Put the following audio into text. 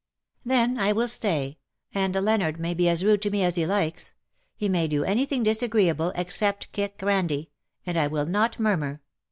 '"" Then I will stay ; and Leonard may be as rude to me as he likes ; he may do anything disagreeable, except kick Ran die ; and I will not murmur.